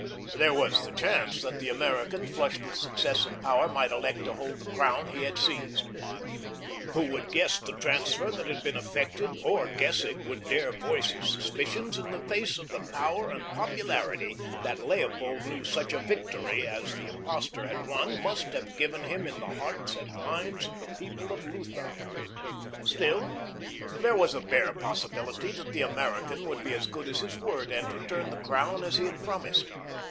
There was the chance that the American, flushed with success and power, might elect to hold the crown he had seized. Who would guess the transfer that had been effected, or, guessing, would dare voice his suspicions in the face of the power and popularity that Leopold knew such a victory as the impostor had won must have given him in the hearts and minds of the people of Lutha? Still, there was a bare possibility that the American would be as good as his word, and return the crown as he had promised.